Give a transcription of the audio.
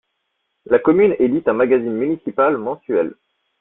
La commune édite un magazine municipal mensuel.